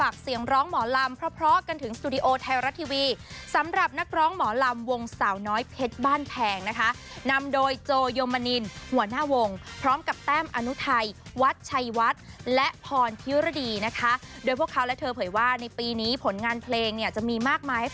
ขอฝากเพลงพาแดงนางไอนะครับซึ่งร้องคู่กับพี่พรเพลดีนะครับ